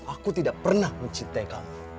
aku tidak pernah mencintai kamu